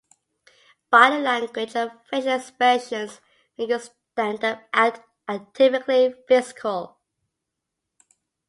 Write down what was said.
Body language and facial expressions make his stand-up act atypically physical.